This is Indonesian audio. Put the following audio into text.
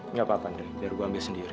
nggak apa apa andre biar gue ambil sendiri